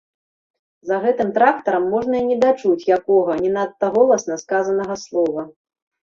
За гэтым трактарам можна і не дачуць якога, не надта голасна сказанага, слова.